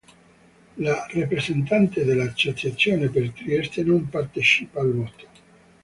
La rappresentante dell'Associazione per Trieste non partecipa al voto.